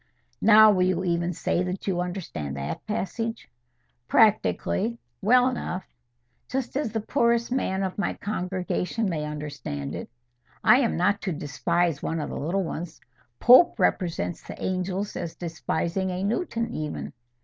'" "Now will you even say that you understand that passage?" "Practically, well enough; just as the poorest man of my congregation may understand it. I am not to despise one of the little ones. Pope represents the angels as despising a Newton even."